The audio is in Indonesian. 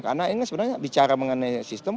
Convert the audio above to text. karena ini sebenarnya bicara mengenai sistem